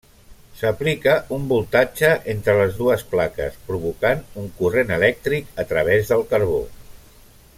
S'aplica un voltatge entre les dues plaques, provocant un corrent elèctric a través del carbó.